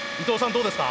どうですか？